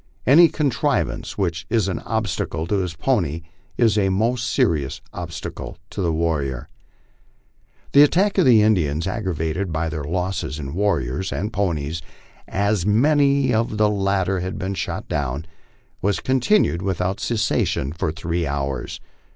Any contrivance which is an obstacle to his pony is a most serious obstacle to the warrior. The attack of the Indians, aggravated by their losses in warriors and po nies, as many of the latter had been shot down, was continued without cessa tion for three hours.